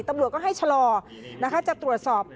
ตำรวจก็ให้ชะลอนะคะจะตรวจสอบ